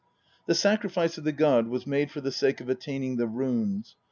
The sacrifice of the god was made for the sake of attaining the Runes.